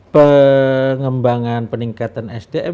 pengembangan peningkatan sdf